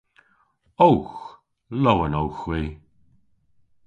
Owgh. Lowen owgh hwi.